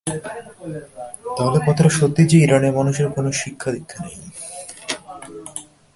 তাহলে কথাটা সত্যি যে, ইরানের মানুষদের কোনো শিক্ষা দীক্ষা নেই।